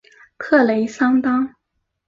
特雷桑当。